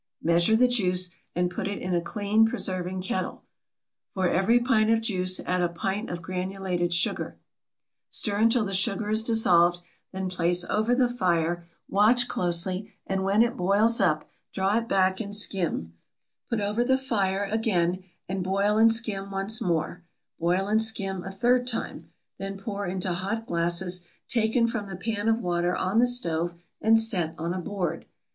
Measure the juice, and put it in a clean preserving kettle. For every pint of juice add a pint of granulated sugar. Stir until the sugar is dissolved, then place over the fire; watch closely, and when it boils up draw it back and skim; put over the fire again, and boil and skim once more; boil and skim a third time; then pour into hot glasses taken from the pan of water on the stove and set on a board.